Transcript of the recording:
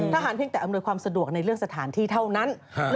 เพียงแต่อำนวยความสะดวกในเรื่องสถานที่เท่านั้น